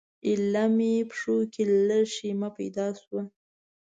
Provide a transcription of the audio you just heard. ایله مې پښو کې لږه شیمه پیدا شوه.